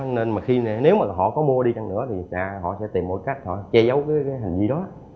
nên nếu họ có mua đi chăng nữa thì họ sẽ tìm mọi cách che giấu hành vi đó